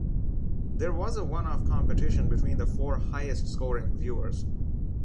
There was a one-off competition between the four highest scoring viewers.